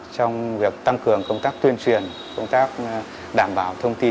trong việc tăng cường công tác tuyên truyền công tác đảm bảo thông tin